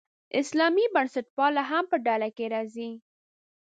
اسلامي بنسټپالنه هم په ډله کې راځي.